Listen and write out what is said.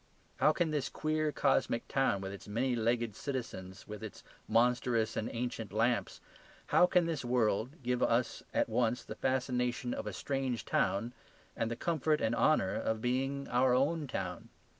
How can this queer cosmic town, with its many legged citizens, with its monstrous and ancient lamps, how can this world give us at once the fascination of a strange town and the comfort and honour of being our own town?